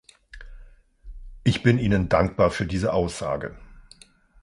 Ich bin Ihnen dankbar für diese Aussage.